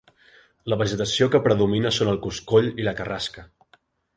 La vegetació que predomina són el coscoll, i la carrasca.